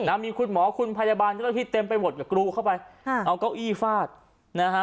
นะฮะมีคุณหมอคุณพยาบาลก็พิเต็มไปวดกับกรูเข้าไปฮะเอาเก้าอี้ฟาดนะฮะ